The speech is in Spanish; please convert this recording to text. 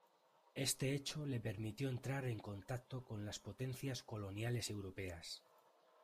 Este hecho le permitió entrar en contacto con las potencias coloniales europeas.